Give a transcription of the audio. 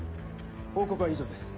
報告は以上です。